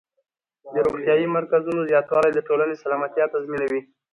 د روغتیايي مرکزونو زیاتوالی د ټولنې سلامتیا تضمینوي.